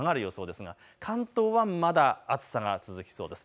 ですが関東はまだ暑さが続きそうです。